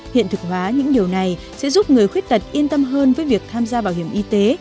hiện thực hóa những điều này sẽ giúp người khuyết tật yên tâm hơn với việc tham gia bảo hiểm y tế